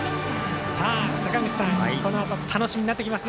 このあと楽しみになってきますね